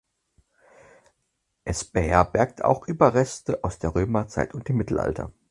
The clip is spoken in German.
Es beherbergt auch Überreste aus der Römerzeit und dem Mittelalter.